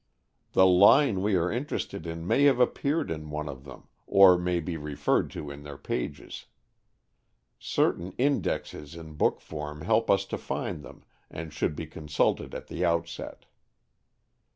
The line we are interested in may have appeared in one of them, or may be referred to in their pages. Certain indexes in book form help us to find them, and should be consulted at the outset.